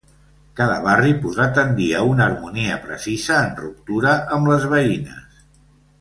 Cada barri podrà tendir a una harmonia precisa, en ruptura amb les veïnes.